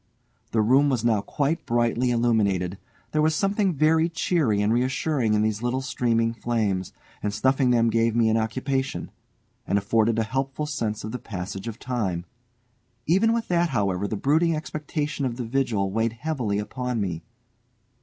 The room was now quite brightly illuminated. There was something very cheery and reassuring in these little streaming flames, and snuffing them gave me an occupation, and afforded a helpful sense of the passage of time. Even with that, however, the brooding expectation of the vigil weighed heavily upon me.